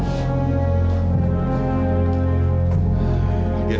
iyan kamu tuh ngapain sih pake pingsan segala